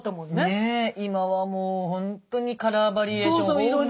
ねえ今はもうほんとにカラーバリエーション豊富でしょう？